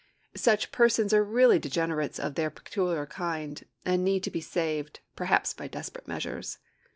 Such persons are really degenerates of their peculiar kind, and need to be saved, perhaps by desperate measures.